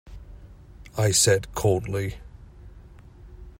I said coldly.